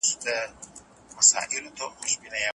اوس مو خاندي غلیمان پر شړۍ ورو ورو